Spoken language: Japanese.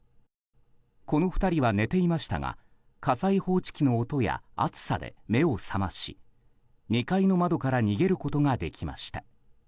この２人は寝ていましたが火災報知機の音や熱さで目を覚まし２階の窓から逃げることができました。